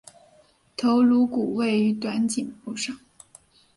头颅骨位在短颈部上。